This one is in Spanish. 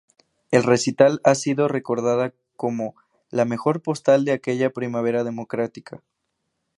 El recital ha sido recordada como "la mejor postal de aquella primavera democrática".